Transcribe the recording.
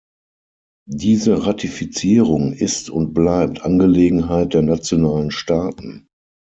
Diese Ratifizierung ist und bleibt Angelegenheit der nationalen Staaten.